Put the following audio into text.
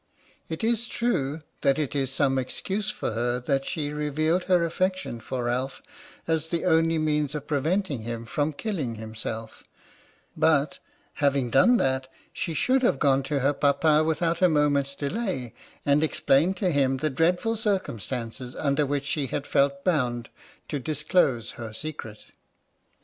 It is true that it is some excuse for her that she revealed her affection for Ralph as the only means of preventing him from killing himself, but, having done that, she should have gone to her Papa without a moment's delay, and explained to him the dreadful circumstances under which she had felt bound to disclose her secret.